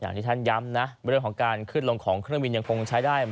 อย่างที่ท่านย้ำว่าของขึ้นลงของเครื่องบินยังสามารถใช้ได้๑๐๐